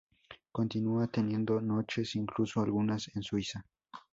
Continúa teniendo noches, incluso algunas en Suiza.